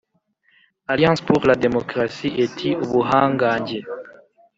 Alliance pour la D mocratie ety ubuhangange